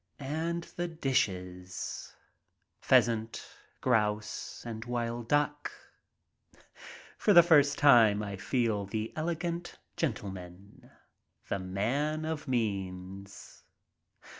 And the dishes — pheasant, grouse, and wild duck. For the first time I feel the elegant gentleman, the man of means.